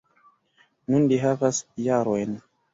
Nun li havas jarojn.